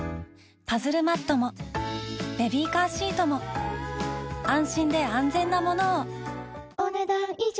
パズルマットもベビーカーシートも安心で安全なものをお、ねだん以上。